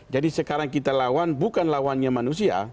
jadi sekarang kita lawan bukan lawannya manusia